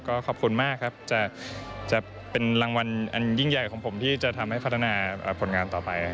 ก็ขอบคุณมากครับจะเป็นรางวัลอันยิ่งใหญ่ของผมที่จะทำให้พัฒนาผลงานต่อไป